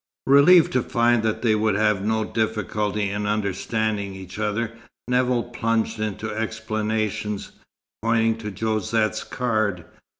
Relieved to find that they would have no great difficulty in understanding each other, Nevill plunged into explanations, pointing to Josette's card.